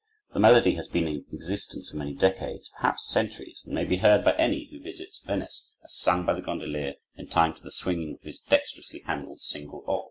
The melody has been in existence for many decades, perhaps centuries, and may be heard by any one who visits Venice, as sung by the gondolier in time to the swing of his dextrously handled single oar.